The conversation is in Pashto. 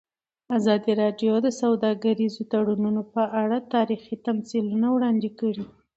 ازادي راډیو د سوداګریز تړونونه په اړه تاریخي تمثیلونه وړاندې کړي.